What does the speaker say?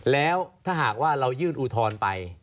แล้วถ้าหากว่าเรายื่นอุทธรณ์ไป